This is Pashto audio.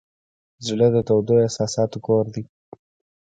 زړه د تودو احساساتو کور دی.